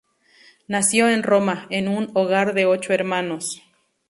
Nació en Roma, en un hogar de ocho hermanos.